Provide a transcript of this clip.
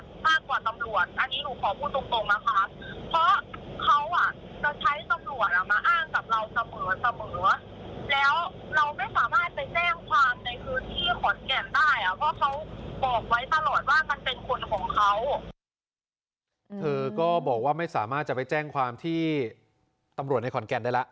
เธอก็บอกว่าไม่สามารถจะไปแจ้งความที่ตำรวจในขอนแก่นได้แล้ว